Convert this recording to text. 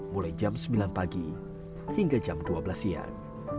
mulai jam sembilan pagi hingga jam dua belas siang